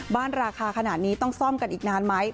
ราคาขนาดนี้ต้องซ่อมกันอีกนานไหม